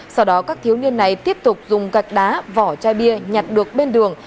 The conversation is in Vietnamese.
sau đó các thiếu niên này tiếp tục dùng gạch đá vỏ chai bia nhặt được bên đường